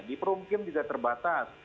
di perumpim bisa terbatas